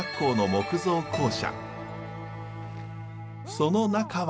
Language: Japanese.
その中は。